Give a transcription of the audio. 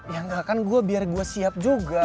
engga kan gue biar gue siap juga